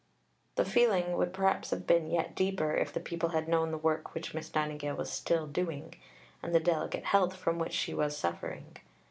The feeling would perhaps have been yet deeper if the people had known the work which Miss Nightingale was still doing, and the delicate health from which she was suffering.